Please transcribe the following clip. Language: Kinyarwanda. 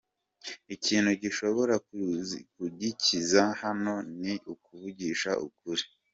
Ikintu gishobora kugikiza hano ni ukuvugisha ukuri.